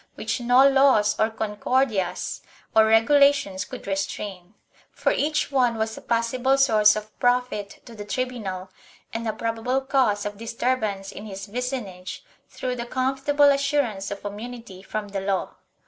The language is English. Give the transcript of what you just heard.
which no laws or Con cordias or regulations could restrain, for each one was a possible source of profit to the tribunal and a probable cause of disturb ance in his vicinage, through the comfortable assurance of immunity from the law.